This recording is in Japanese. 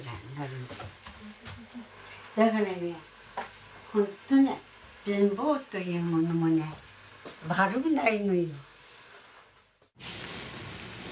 だからねほんとに貧乏というものもね悪くないのよ。